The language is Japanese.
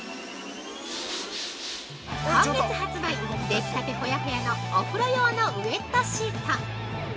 今月発売、できたてほやほやのお風呂用のウェットシート。